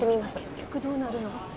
結局どうなるの？